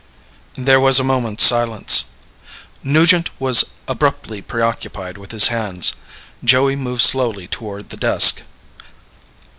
There was a moment's silence. Nugent was abruptly preoccupied with his hands. Joey moved slowly toward the desk.